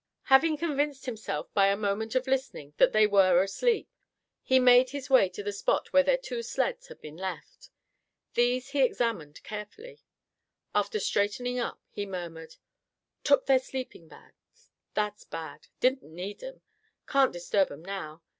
Having convinced himself by a moment of listening that they were asleep, he made his way to the spot where their two sleds had been left. These he examined carefully. After straightening up, he murmured: "Took their sleeping bags. That's bad. Didn't need 'em. Can't disturb 'em now.